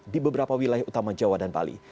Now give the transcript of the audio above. di beberapa wilayah utama jawa dan bali